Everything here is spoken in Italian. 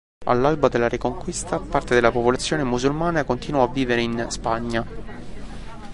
All'alba della "Reconquista" parte della popolazione musulmana continuò a vivere in Spagna.